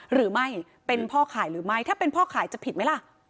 หรือไม่เป็นพ่อขายหรือไม่ถ้าเป็นพ่อขายจะผิดไหมล่ะ